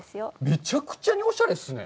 めちゃくちゃにおしゃれっすね！